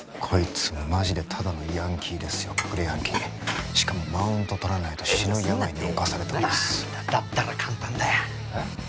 こいつマジでただのヤンキーですよ隠れヤンキーしかもマウント取らないと死ぬ病に侵されてますだったら簡単だよえっ？